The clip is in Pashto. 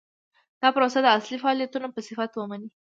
دا پروسه د اصلي فعالیتونو په صفت ومني.